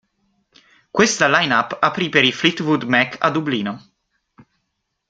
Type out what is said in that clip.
Questa lineup aprì per i Fleetwood Mac a Dublino.